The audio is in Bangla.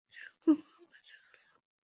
যাক বাবা, বাঁচা গেল।